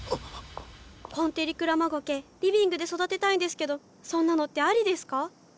紺照鞍馬苔リビングで育てたいんですけどそんなのってありですか？